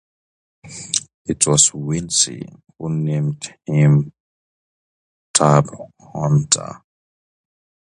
It was Willson who named him "Tab Hunter".